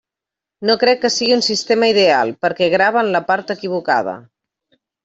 No crec que sigui un sistema ideal, perquè grava en la part equivocada.